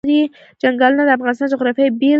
چنګلونه د افغانستان د جغرافیې بېلګه ده.